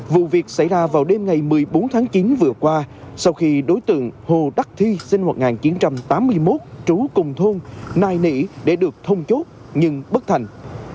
vụ việc xảy ra vào đêm ngày một mươi bốn tháng chín vừa qua sau khi đối tượng hồ đắc thi sinh năm một nghìn chín trăm tám mươi một trú cùng thôn nài nỉ để được thông chốt nhưng bất thành